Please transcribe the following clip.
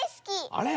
あれ？